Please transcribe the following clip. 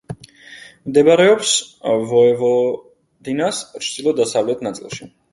მდებარეობს ვოევოდინას ჩრდილო-დასავლეთ ნაწილში.